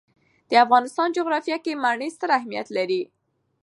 د افغانستان جغرافیه کې منی ستر اهمیت لري.